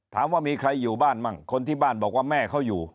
ถามว่ามีใครอยู่บ้านมั่งคนที่บ้านบอกว่าแม่เขาอยู่